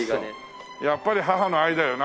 やっぱり母の愛だよな。